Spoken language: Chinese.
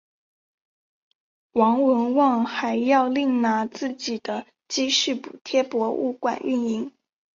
王文旺还要另拿自己的积蓄补贴博物馆运营。